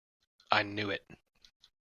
I knew it!